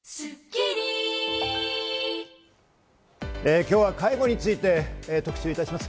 今日は介護について特集いたします。